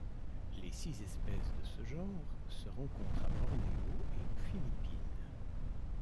Les six espèces de ce genre se rencontrent à Bornéo et aux Philippines.